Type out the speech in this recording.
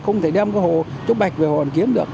không thể đem cái hồ chỗ bạch về hoàn kiếm được